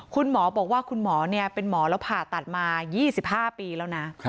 คุณหมอบอกว่าคุณหมอเป็นหมอแล้วผ่าตัดมา๒๕ปีแล้วนะ